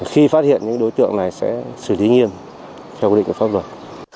khi phát hiện những đối tượng này sẽ xử lý nghiêm theo quy định của pháp luật